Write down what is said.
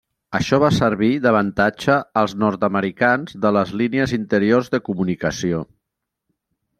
Això va servir d'avantatge als nord-americans de les línies interiors de comunicació.